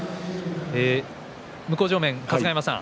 向正面の春日山さん